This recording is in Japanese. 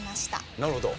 なるほど。